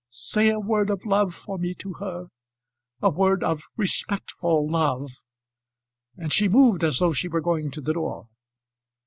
Say a word of love for me to her; a word of respectful love." And she moved as though she were going to the door.